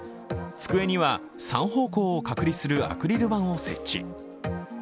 机には、３方向を隔離するアクリル板を設置。